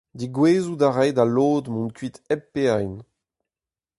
Degouezhout a rae da lod mont kuit hep paeañ.